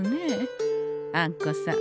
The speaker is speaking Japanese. あんこさん